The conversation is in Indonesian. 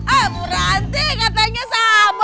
ah bu ranti katanya sabar